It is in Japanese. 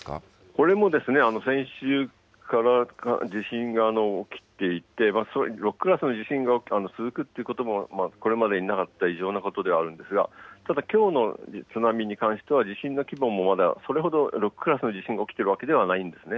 これもですね、先週から地震が起きていて、６クラスの地震が続くということも、これまでになかった異常なことではあるんですが、ただ、きょうの津波に関しては地震の規模も、まだそれほど６クラスの地震が起きているわけではないんですね。